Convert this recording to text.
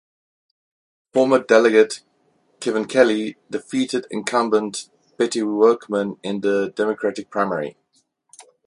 Former delegate Kevin Kelly defeated incumbent Betty Workman in the Democratic primary.